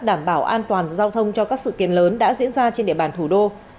đảm bảo an toàn giao thông cho các sự kiện lớn đã diễn ra trên địa bàn thủ đô